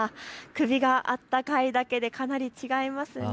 首があったかいだけでかなり違いますね。